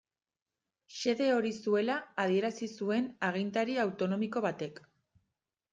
Xede hori zuela adierazi zuen agintari autonomiko batek.